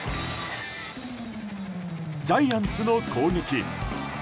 ジャイアンツの攻撃。